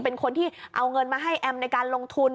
เป็นคนที่เอาเงินมาให้แอมในการลงทุน